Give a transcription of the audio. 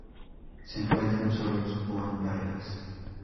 Se encuentran solos o en parejas.